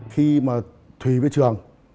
thì mà thùy với trường